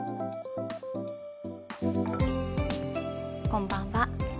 こんばんは。